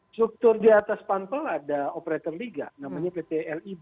struktur di atas pantul ada operator liga namanya pt lib